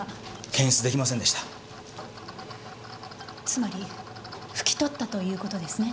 つまり拭き取ったということですね。